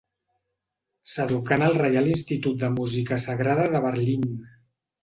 S'educà en el reial Institut de Música sagrada de Berlín.